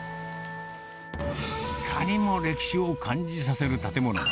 いかにも歴史を感じさせる建物が。